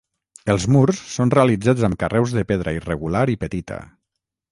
Els murs són realitzats amb carreus de pedra irregular i petita.